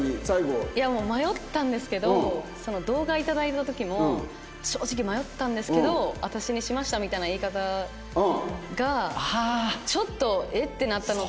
いやもう迷ったんですけど動画頂いた時の「正直迷ったんですけど私にしました」みたいな言い方がちょっと「えっ？」ってなったのと。